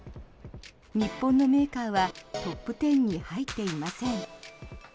日本のメーカーはトップ１０に入っていません。